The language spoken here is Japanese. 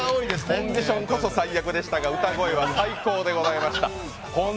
コンディションこそ最悪でしたが歌声は最高でした。